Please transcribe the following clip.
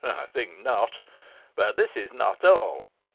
I think not. But this is not all.